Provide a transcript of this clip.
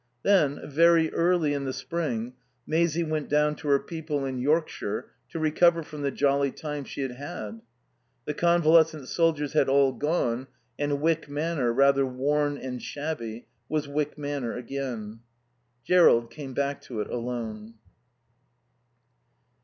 Then, very early in the spring, Maisie went down to her people in Yorkshire to recover from the jolly time she had had. The convalescent soldiers had all gone, and Wyck Manor, rather worn and shabby, was Wyck Manor again. Jerrold came back to it alone.